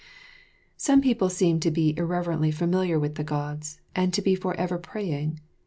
Some people seem to be irreverently familiar with the Gods, and to be forever praying.